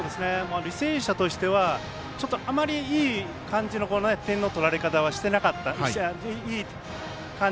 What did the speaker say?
履正社としてはあまりいい感じの点の取られ方はしてなかったんで。